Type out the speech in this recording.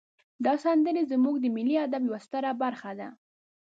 دا سندرې زمونږ د ملی ادب یوه ستره برخه ده.